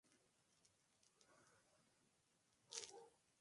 El campeón defensor es el Maccabi Tel Aviv.